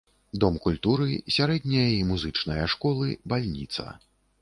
Дом культуры, сярэдняя і музычная школы, бальніца.